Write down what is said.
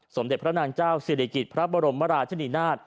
สมเด็จพระนางเจ้าศิริกิจพระบรมราชนีนาฏ